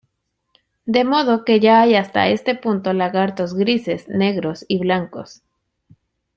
De modo que ya hay hasta este punto lagartos grises, negros y blancos.